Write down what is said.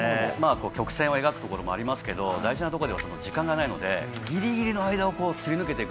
曲線を描くところもありますけれども大事なところでは時間がないのでギリギリをすり抜ける